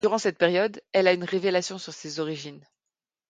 Durant cette période, elle a une révélation sur ses origines.